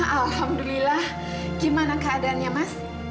alhamdulillah gimana keadaannya mas